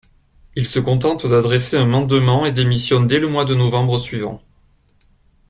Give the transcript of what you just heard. Il se contente d'adresser un mandement et démissionne dès le mois de novembre suivant.